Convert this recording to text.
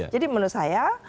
jadi menurut saya